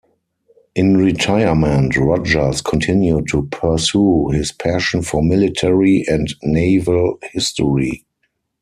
In retirement, Rodgers continued to pursue his passion for military and naval history.